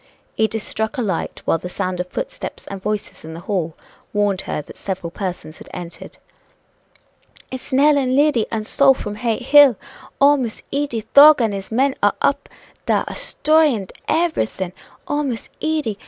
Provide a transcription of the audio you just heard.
Edith struck a light, while the sound of footsteps and voices in the hall warned her that several persons had entered. "It's Nell, and Liddy, and Sol, from Hay Hill! Oh, Miss Edy! Thorg and his men are up dar a 'stroyin' everything! Oh, Miss Edy!